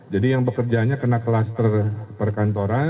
jadi yang bekerjanya kena klaster perkantoran